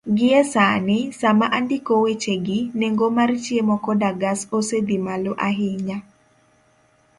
Gie sani, sama andiko wechegi, nengo mar chiemo koda gas osedhi malo ahinya